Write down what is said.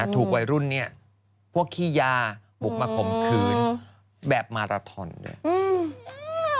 ถูกวัยรุ่นเนี่ยพวกขี้ยาบุกมาข่มขืนแบบมาราทอนเลย